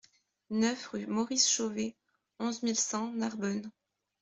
neuf rue Maurice Chauvet, onze mille cent Narbonne